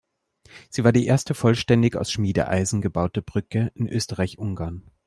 Sie war die erste vollständig aus Schmiedeeisen gebaute Brücke in Österreich-Ungarn.